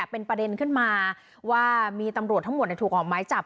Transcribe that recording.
เป็นประเด็นขึ้นมาว่ามีตำรวจทั้งหมดถูกออกไม้จับ